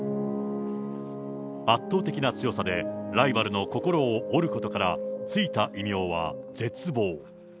圧倒的な強さで、ライバルの心を折ることから、付いた異名は絶望。